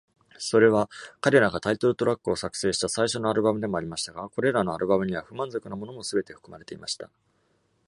それは、彼らがタイトルトラックを作成した最初のアルバムでもありましたが、これらのアルバムには、不満足なものもすべて含まれていました。